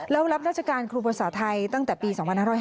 แล้วรับราชการครูภาษาไทยตั้งแต่ปี๒๕๕๙